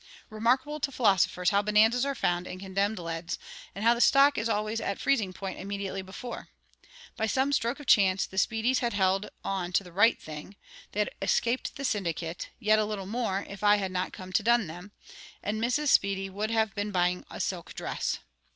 Remarkable to philosophers how bonanzas are found in condemned leads, and how the stock is always at freezing point immediately before! By some stroke of chance the, Speedys had held on to the right thing; they had escaped the syndicate; yet a little more, if I had not come to dun them, and Mrs. Speedy would have been buying a silk dress.